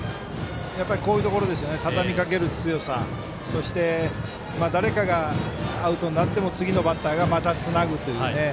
こういうところですねたたみかける強さそして、誰かがアウトになっても次のバッターがまたつなぐというね。